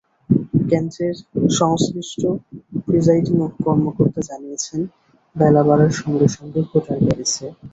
কেন্দ্রের সংশ্লিষ্ট প্রিসাইডিং কর্মকর্তা জানিয়েছেন, বেলা বাড়ার সঙ্গে সঙ্গে ভোটার বেড়েছে।